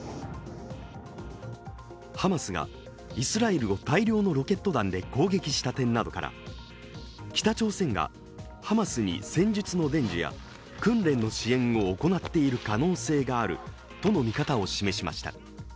ハマスがイスラエルを大量のロケット弾で攻撃した点などから北朝鮮がハマスに戦術の伝授や訓練の支援を行っている可能性があるとの見方を示しました。